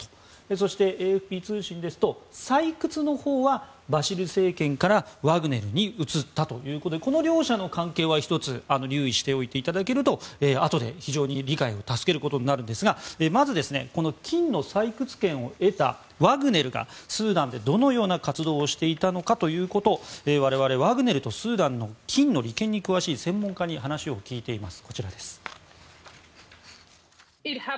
そして、ＡＦＰ通信によると採掘のほうは、バシル政権からワグネルに移ったということでこの両者の関係を、１つ留意しておいていただけるとあとで非常に理解を助けることになるんですがまず、金の採掘権を得たワグネルがスーダンでどのような活動をしていたのか我々、ワグネルとスーダンの金の利権に詳しい専門家に話を聞いています。